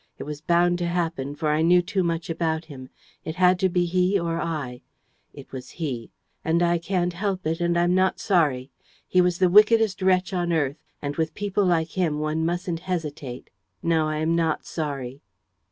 It was bound to happen, for I knew too much about him. It had to be he or I. ... It was he ... and I can't help it and I'm not sorry. ... He was the wickedest wretch on earth; and, with people like him, one mustn't hesitate. No, I am not sorry."